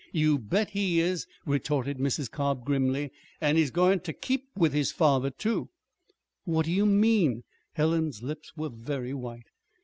"You bet he is," retorted Mrs. Cobb grimly. "And he's goin' ter keep with his father, too." "What do you mean?" Helen's lips were very white.